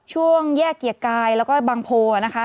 ช่วงแยกเกียรติกายแล้วก็บางโพนะคะ